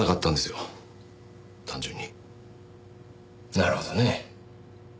なるほどね。